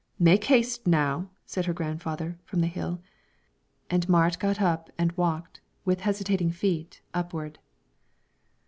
"Make haste, now!" said her grandfather, from the hill; and Marit got up and walked, with hesitating feet, upward.